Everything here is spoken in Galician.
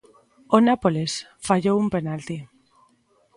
O Nápoles fallou un penalti.